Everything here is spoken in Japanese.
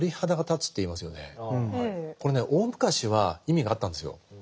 これね大昔は意味があったんですよ。